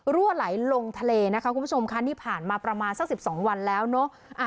รั่วไหลลงทะเลนะคะคุณผู้ชมค่ะนี่ผ่านมาประมาณสัก๑๒วันแล้วเนอะ